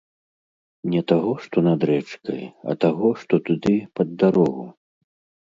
Не таго, што над рэчкай, а таго, што туды, пад дарогу.